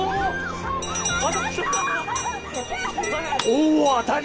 大当たり！